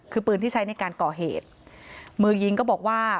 คือปืนที่ใช้ในการก่อเหตุมือยิงก็บอกว่า